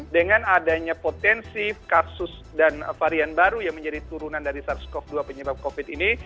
dengan adanya potensi kasus dan varian baru yang menjadi turunan dari sars cov dua penyebab covid ini